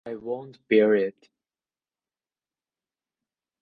I won't bear it.